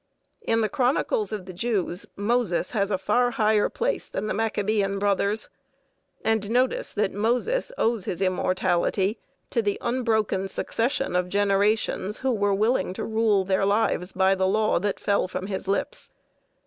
In the chronicles of the Jews, Moses has a far higher place than the Maccabæan brothers. And notice that Moses owes his immortality to the unbroken succession of generations who were willing to rule their lives by the Law that fell from his lips.